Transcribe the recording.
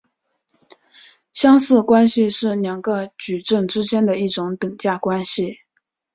相似关系是两个矩阵之间的一种等价关系。